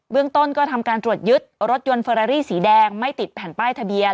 เรื่องต้นก็ทำการตรวจยึดรถยนต์เฟอรารี่สีแดงไม่ติดแผ่นป้ายทะเบียน